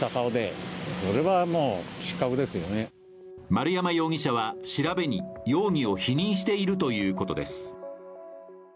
丸山容疑者は調べに、容疑を否認しているということです。